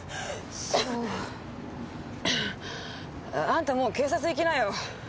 あんたもう警察行きなよ。